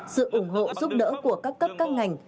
sự ủng hộ giúp đỡ của các cấp các ngành